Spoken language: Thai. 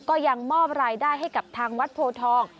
ก็ยังมอบรายได้ให้กับทางวัดโพทอง